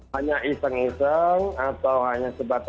hanya iseng iseng atau hanya sebatas